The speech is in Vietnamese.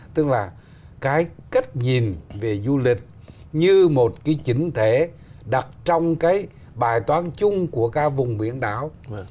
tức là cái cách nhìn về du lịch như một cái chỉnh thể đặt trong cái bài toán chung của cả vùng biển đảo